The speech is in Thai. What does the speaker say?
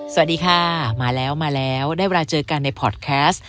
สวัสดีค่ะมาแล้วมาแล้วได้เวลาเจอกันในพอร์ตแคสต์